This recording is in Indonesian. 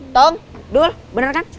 tong dul bener kan